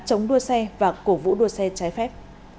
chống đua xe và cổ vũ đua xe trái phép